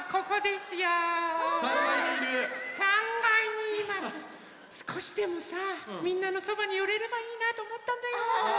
すこしでもさみんなのそばによれればいいなとおもったんだよ。